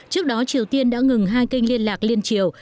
trước đó triều tiên đã ngừng hai kênh liên lạc liên triều